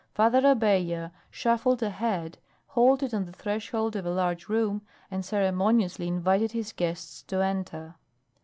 Father Abella shuffled ahead, halted on the threshold of a large room, and ceremoniously invited his guests to enter.